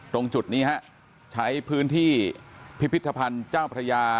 ตรงจุดนี้ฮะใช้พื้นที่พิพิธภัณฑ์เจ้าพระยา